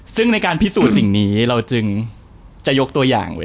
ซึ่งในการพิสูจน์สิ่งนี้เราจึงจะยกตัวอย่างเลย